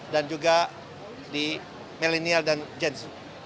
dan juga di millennial dan geng